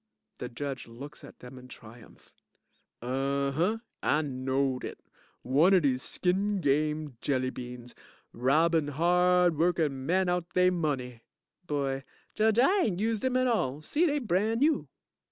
The JUDGE looks at them in triumph.) Unh hunh! I knowed it, one of dese skin game jelly beans. Robbin' hard workin' men out they money. BOY Judge, I ain't used 'em at all. See, dey's brand new.